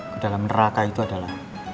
ke dalam neraka itu adalah